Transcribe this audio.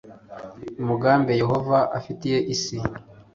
umugambi yehova afitiye isi